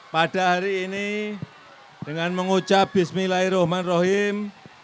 pada hari ini dengan mengucap bismillahirrahmanirrahim